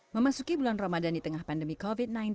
memasuki bulan ramadan di tengah pandemi covid sembilan belas